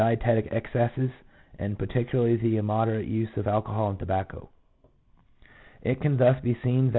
dietic excesses, and particularly the immo derate use of alcohol and tobacco." 5 It can thus be 1 N.